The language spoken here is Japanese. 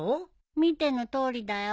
見てのとおりだよ。